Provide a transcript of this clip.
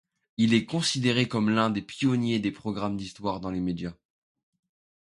Il est considéré comme l'un des pionniers des programmes d'histoire dans les médias.